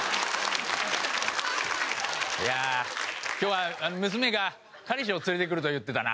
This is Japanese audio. いやあ今日は娘が彼氏を連れてくると言ってたな。